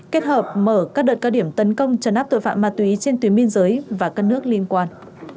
kết hợp mở các đợt cao điểm tấn công trấn áp tội phạm ma túy trên tuyến biên giới và các nước liên quan